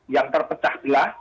yang terpecah pilih